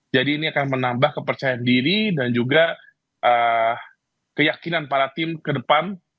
jadi ini akan menambah kepercayaan diri dan juga keyakinan para tim ke depan